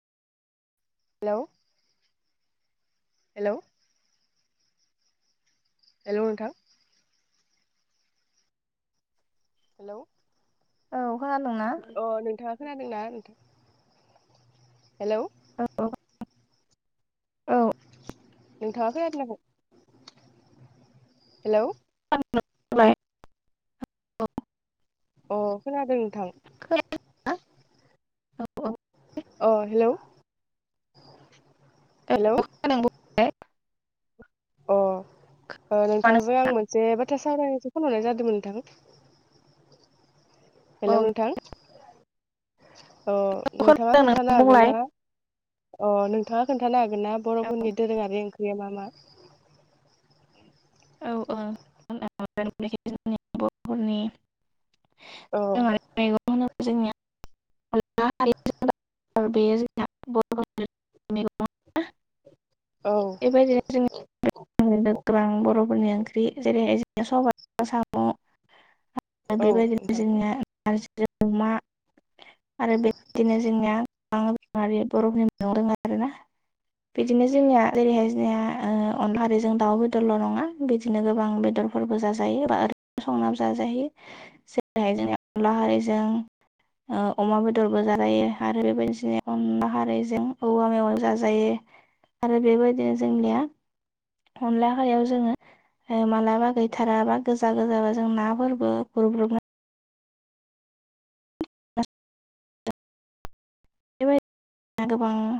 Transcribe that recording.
हेल' hello. Hello नोंथां। Hello. औ। खोनादोंना? अ नोंथाङा खोनादोंना नोंथां हेलौ। औ औ। नोंथांङा खोना [unintelligible] हेलौ। [unintelligible] अ खोनादों नोंथां। हा औ औ। अ हेल'। [unintelligible] अ ओ नोंथांजों आं मोनसे बाथ्रा सावरायसो फन हरनाय जादोंमोन नोंथां। हेल' नोंथां। अ नोंथाङा खोन्थानो हागोन बुंलाय ना अ नोंथाङा खोन्थानो हागोन? ना औ बर'फोरनि दोरोङारि ओंख्रिया मा मा? औ ओ अ [unintelligible] [unintelligible] जोंनिया अनला आरो बेयो [unintelligible] औ बेबायदिनो जों [unintelligible] गोबां बर'फोरनि ओंख्रि जेरै सबाय साम' [unintelligible] औ बेबायदिनो नोंथां जोंनिया [unintelligible] अमा आरो बेदिनो जोंनिया [unintelligible] रोङो आरोना। बिदिनो जोंनिया जेरैहाय जोंनिया ओ अनलाजों दाउ बेदरल' नङा बिदिनो गोबां बेदर बेफोरबो जाजायो एबा ओरैनो संनानै जाजायो जेरैहाय जोंनि बर' हारिजों [inaudible] ओ अमा बेदरबो जालायो आरो बेबायदिनो अनला हारैजों औवा मेवा जाजायो। आरो बेबायदिनो जोंनिया अनला हायाव जोङो मालाबा गैथाराबा गोजा गोजाबा जों नाफोरबो गग्रुबनानै [unintelligible] बेबायदि गोबां